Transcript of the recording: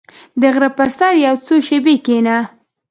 • د غره پر سر یو څو شېبې کښېنه.